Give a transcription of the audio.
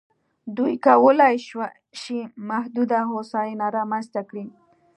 دوی کولای شي محدوده هوساینه رامنځته کړي.